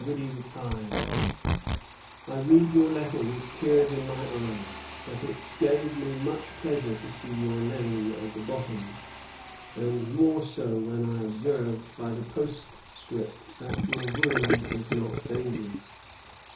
To Orme, Dinwiddie replied: "I read your letter with tears in my eyes; but it gave me much pleasure to see your name at the bottom, and more so when I observed by the postscript that your wound is not dangerous.